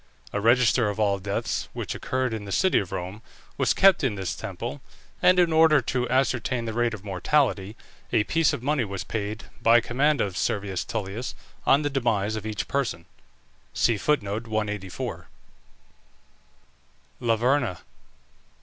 A register of all deaths which occurred in the city of Rome was kept in this temple, and in order to ascertain the rate of mortality, a piece of money was paid by command of Servius Tullius, on the demise of each person. LAVERNA.